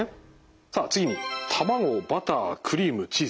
さあ次に卵バタークリームチーズ。